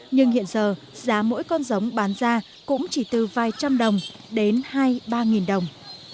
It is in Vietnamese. nhưng hiện giờ giá mỗi con giống bán ra cũng chỉ từ vài trăm đồng đến hai ba đồng